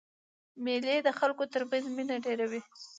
مېلې د خلکو تر منځ مینه ډېروي.